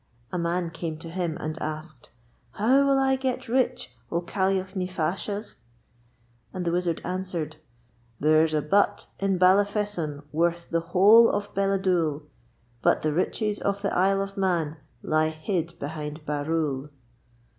A man came to him and asked: 'How will I get rich, O Caillagh ny Faashagh?' And the Wizard answered: There's a butt in Ballafesson worth the whole of Balladoole. But the riches of the Isle of Mann lie hid behind Barrule.